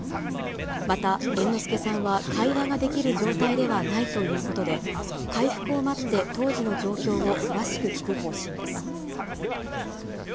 また、猿之助さんは会話ができる状態ではないということで、回復を待って、当時の状況を詳しく聴く方針です。